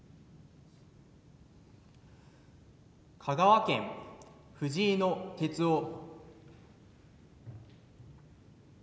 香川県藤井の哲夫